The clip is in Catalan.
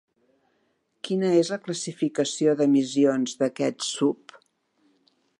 Quina és la classificació d'emissions d'aquest SUV?